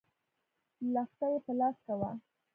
لښته يې په لاس کې وه.